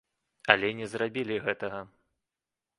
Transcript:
Але не зрабілі гэтага.